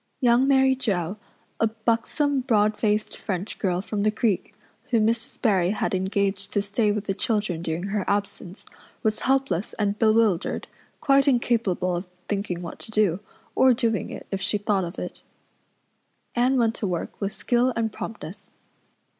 Young Mary Joe, a buxom, broad faced French girl from the creek, whom Mrs. Barry had engaged to stay with the children during her absence, was helpless and bewildered, quite incapable of thinking what to do, or doing it if she thought of it. Anne went to work with skill and promptness.